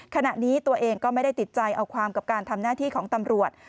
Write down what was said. ขณะนี้ตัวเองก็ไม่ได้ติดใจเอาความกับการทำหน้าที่ของตำรวจ